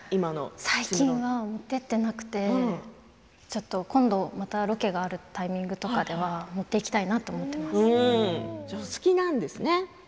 最近は持っていっていなくてちょっと今度またロケがあるタイミングとかでは持っていきたいなと思っています。